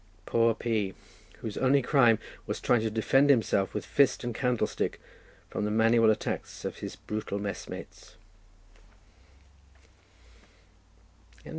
Poor P—, whose only crime was trying to defend himself with fist and candlestick from the manual attacks of his brutal messmates.